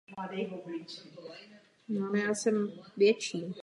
Nejvhodnější období pro její pozorování na večerní obloze je od května do září.